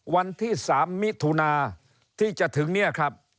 วันที่๓มิถุนาที่จะถึงเนี่ยครับ